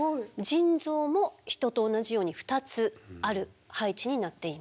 腎臓も人と同じように２つある配置になっています。